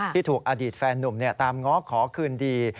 ที่ถูกอดีตแฟนนุ่มตามง้อขอคืนดี